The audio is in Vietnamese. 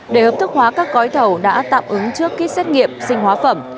để hợp thức hóa các gói thầu đã tạm ứng trước kýt xét nghiệm sinh hóa phẩm